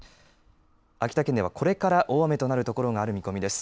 秋田県ではこれから大雨となるところがある見込みです。